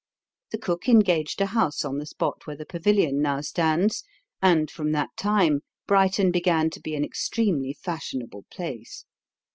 The cook engaged a house on the spot where the Pavilion now stands, and from that time Brighton began to be an extremely fashionable place.